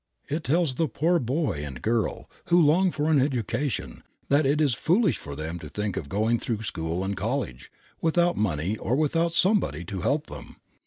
It tells the poor boy and girl who long for an education that it is foolish for them to think of going through school and college without money or without somebody to help them.